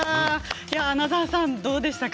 穴澤さん、どうでしたか？